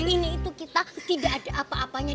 ini itu kita tidak ada apa apanya